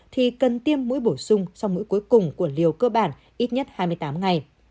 thì cần tiêm mũi bổ sung sau mũi cuối cùng của liều cơ bản ít nhất hai mươi tám ngày